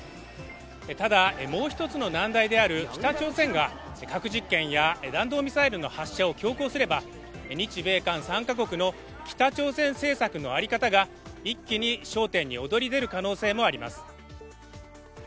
ただ、もう一つの難題である北朝鮮が核実験や弾道ミサイルの発射を強行すれば日米韓３カ国の北朝鮮政策の在り方が一気に焦点に躍り出る可能性もあります。